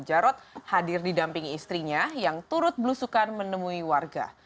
jarod hadir didamping istrinya yang turut blusukan menemui warga